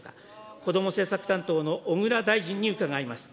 子ども政策担当の小倉大臣に伺います。